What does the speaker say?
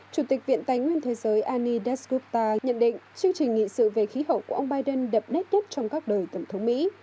chủ tịch viện tài nguyên thế giới ani desutta nhận định chương trình nghị sự về khí hậu của ông biden đậm nét nhất trong các đời tổng thống mỹ